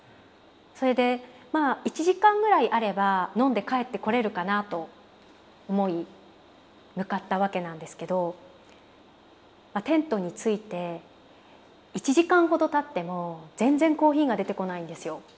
それでまあ１時間ぐらいあれば飲んで帰ってこれるかなと思い向かったわけなんですけどテントに着いて１時間ほどたっても全然コーヒーが出てこないんですよ。